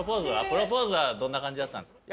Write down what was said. プロポーズはどんな感じだったんですか？